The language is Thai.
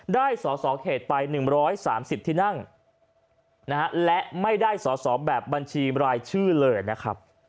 ได้สอสอเขตไป๑๓๐ที่นั่งและไม่ได้สอสอแบบบัญชีรายชื่อเลยนะครับ